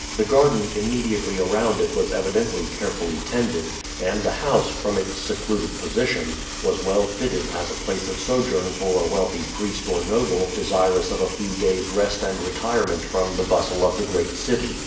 The garden immediately around it was evidently carefully tended, and the house, from its secluded position, was well fitted as a place of sojourn for a wealthy priest or noble desirous of a few days' rest and retirement from the bustle of the great city.